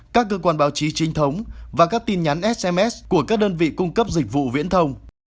các cơ quan báo chí trinh thống và các tin nhắn sms của các đơn vị cung cấp dịch vụ viễn thông